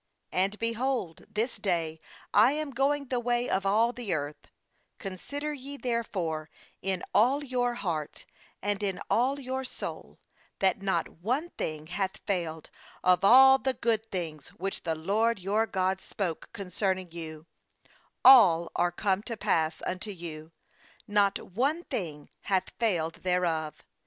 14And, behold, this day I am going the way of all the earth; consider ye therefore in all your heart and in all your soul, that not one thing hath failed of all the good things which the LORD your God spoke concerning you; all are come to pass unto you, not one thing hath failed thereof.